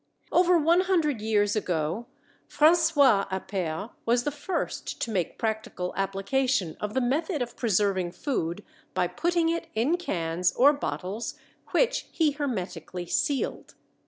Over one hundred years ago François Appert was the first to make practical application of the method of preserving food by putting it in cans or bottles, which he hermetically sealed.